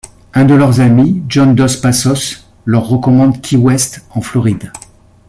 Un de leurs amis, John Dos Passos leur recommande Key West en Floride.